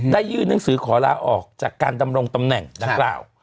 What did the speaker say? ยื่นหนังสือขอลาออกจากการดำรงตำแหน่งดังกล่าว